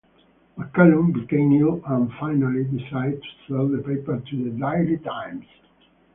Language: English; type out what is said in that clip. McCallum became ill and finally decided to sell the paper to the "Daily Times".